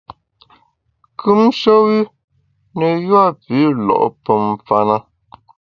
Kùmshe wü ne yua pü lo’ pe mfa’ na.